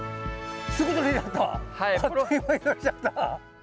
すぐとれちゃった！